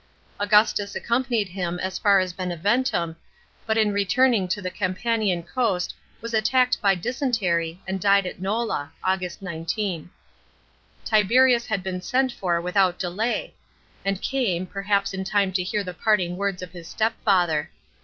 Augu. tus accompanied him as lar as Beneventum, but in returning to t e Campanian cotst was attacked by dysentery and died at Nola (August 19). Tiberius had been sent for without delay, and came, perhaps in time to hear the parting words of his stepfather.